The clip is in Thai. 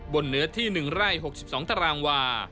เนื้อที่๑ไร่๖๒ตารางวา